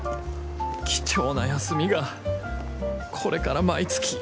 貴重な休みがこれから毎月。